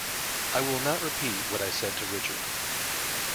I will not repeat what I said to Richard.